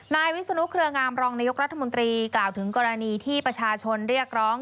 นายวิศนุเครืองามรองนายกรัฐมนตรีกล่าวถึงกรณีที่ประชาชนเรียกร้อง